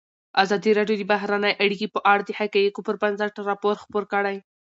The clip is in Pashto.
ازادي راډیو د بهرنۍ اړیکې په اړه د حقایقو پر بنسټ راپور خپور کړی.